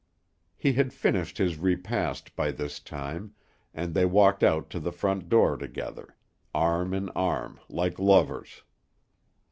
He had finished his repast by this time, and they walked out to the front door together, arm in arm, like lovers.